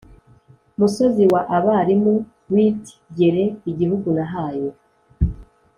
musozi wa Abarimu wit gere igihugu nahaye